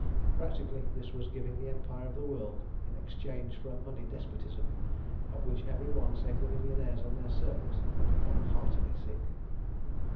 Practically this was giving the empire of the world in exchange for a money despotism, of which every one save the millionaires and their servants had become heartily sick.